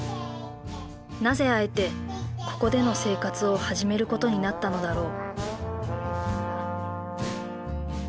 なぜあえてここでの生活を始めることになったのだろう。